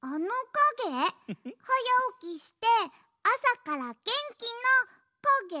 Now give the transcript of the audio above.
はやおきしてあさからげんきのかげ？